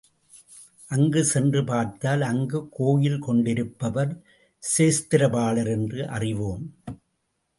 அங்கு சென்று பார்த்தால் அங்கு கோயில் கொண்டிருப்பவர் க்ஷேத்திரபாலர் என்று அறிவோம்.